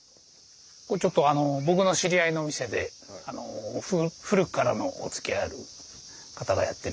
ここちょっと僕の知り合いの店で古くからのおつきあいある方がやってる店で。